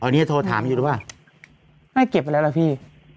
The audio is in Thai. อ๋อนี่จะโทรถามอยู่หรือป่าวไม่เอาเก็บอะไรหรอพี่